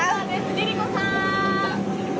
ＬｉＬｉＣｏさん。